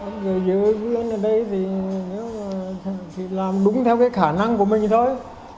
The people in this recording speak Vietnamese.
người dưỡng viên ở đây thì làm đúng theo cái khả năng của mình thôi